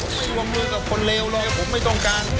ผมไม่รวมมือกับคนเลวเลยผมไม่ต้องการ